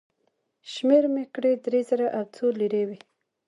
شمېر مې کړې، درې زره او څو لېرې وې.